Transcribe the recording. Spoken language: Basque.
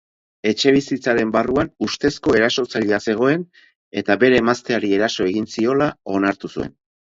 Etxebizitzaren barruan ustezko erasotzailea zegoen eta bere emazteari eraso egin ziola onartu zuen.